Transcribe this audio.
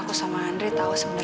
aku juga bisa berhubung dengan kamu